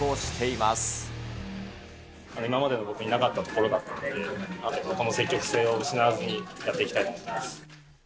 今までの僕になかったところなので、この積極性を失わずにやっていきたいと思います。